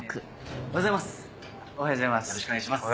おはようございます。